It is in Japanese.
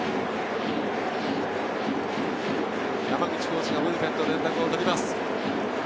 山口コーチがブルペンと連絡をとります。